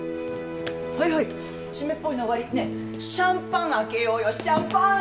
はいはい湿っぽいの終わりねえシャンパン開けようよシャンパン！